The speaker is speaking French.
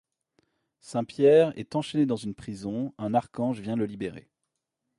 Saint Pierre est enchaîné dans une prison, un archange vient le libérer.